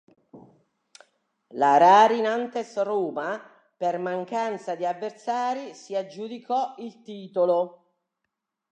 La Rari Nantes Roma, per mancanza di avversari, si aggiudicò il titolo.